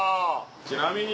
ちなみに。